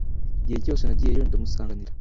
Igihe cyose nagiyeyo, ndamusanganira.